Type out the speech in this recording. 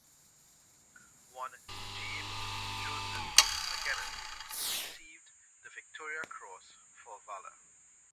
One, James Joseph Magennis, received the Victoria Cross for valour.